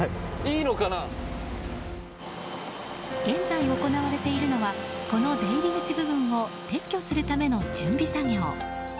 現在行われているのはこの出入り口部分を撤去するための準備作業。